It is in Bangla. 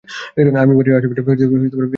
আমি বাড়ির চারপাশে কিছু কাজ করে নিই।